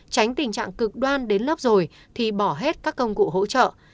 tránh tình trạng cực đoan đến lớp rồi thì bỏ hết các công cụ hỗ trợ